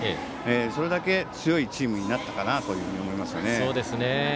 それだけ強いチームになったと思いますね。